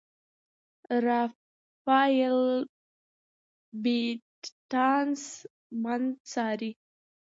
رافایل بیټانس بند څاري.